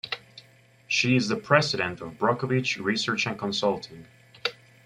She is the president of Brockovich Research and Consulting.